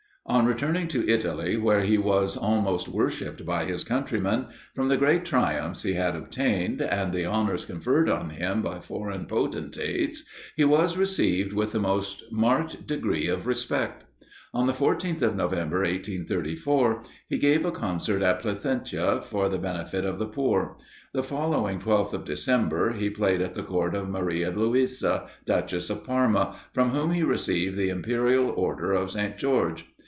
On returning to Italy, where he was almost worshipped by his countrymen, from the great triumphs he had obtained, and the honours conferred on him by foreign potentates, he was received with the most marked degree of respect. On the 14th of November, 1834, he gave a concert at Placentia, for the benefit of the poor. The following 12th of December, he played at the Court of Maria Louisa, Duchess of Parma, from whom he received the imperial Order of St. George.